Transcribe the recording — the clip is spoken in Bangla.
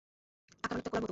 আকার অনেকটা কলার মতো।